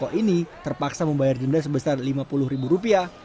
rokok ini terpaksa membayar denda sebesar lima puluh ribu rupiah